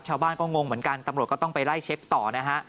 ชาวบ้านก็งงเหมือนกันตำรวจก็ต้องไปไล่เช็คต่อนะฮะ